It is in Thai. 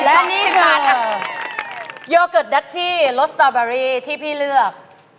และนี่คือโยเกิร์ตดัชชี่รสสตอเบอรี่ที่พี่เลือก